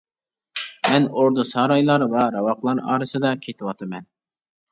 مەن ئوردا-سارايلار ۋە راۋاقلار ئارىسىدا كېتىۋاتىمەن.